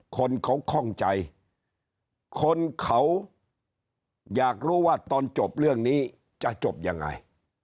คนเขาคล่องใจคนเขาอยากรู้ว่าตอนจบเรื่องนี้จะจบยังไง